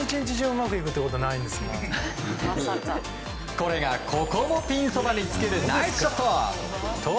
これが、ここもピンそばにつけるナイスショット！